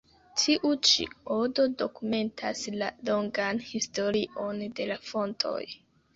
Tiu ĉi odo dokumentas la longan historion de la fontoj.